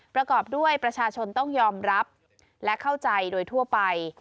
ประกอบด้วยประชาชนต้องยอมรับและเข้าใจโดยทั่วไป